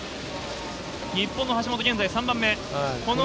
日本の橋本、３番目。